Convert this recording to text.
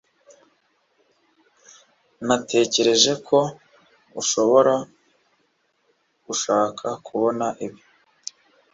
natekereje ko ushobora gushaka kubona ibi